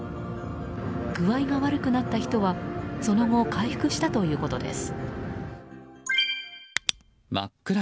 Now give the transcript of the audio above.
具合が悪くなった人はその後回復したということです。